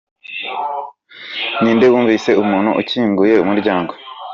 Ni inde wumvise umuntu ukinguye umuryango?